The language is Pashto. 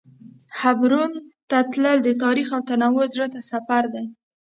حبرون ته تلل د تاریخ او تنوع زړه ته سفر دی.